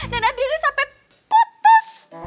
dan adriana sampai putus